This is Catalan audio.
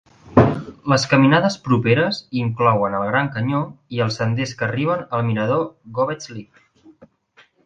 Les caminades properes inclouen el Gran Canyó i els senders que arriben al mirador Govetts Leap.